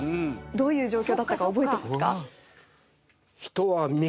どういう状況だったか覚えてますか？